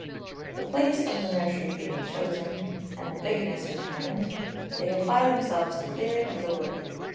The Place of the Nursery being chosen, and the Bigness determined, they apply themselves to clear it of the Wood.